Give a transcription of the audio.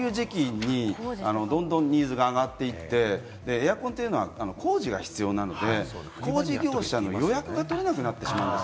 そういう時期にどんどんニーズが上がっていって、エアコンというのは工事が必要なので、工事業者の予約が取れなくなっちゃうんです